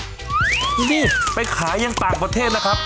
วอันนี้ไปขายอย่างต่างประเทศนะครับ